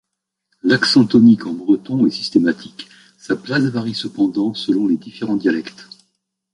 Laccent tonique en breton est systématique, sa place varie cependant selon les différents dialectes.